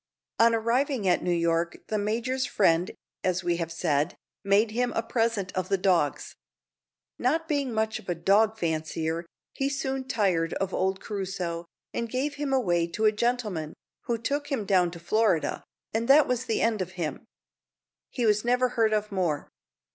On arriving at New York the major's friend, as we have said, made him a present of the dogs. Not being much of a dog fancier, he soon tired of old Crusoe, and gave him away to a gentleman, who took him down to Florida, and that was the end of him. He was never heard of more.